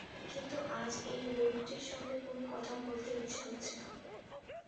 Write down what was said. কিন্তু আজ এই লোকটির সঙ্গে কোনো কথা বলতে ইচ্ছা হচ্ছে না।